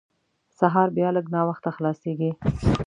سهار بیا لږ ناوخته خلاصېږي.